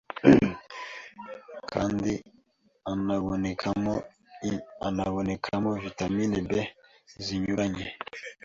kandi anabonekamo vitamini B zinyuranye,